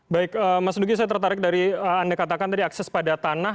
baik mas nugi saya tertarik dari anda katakan tadi akses pada tanah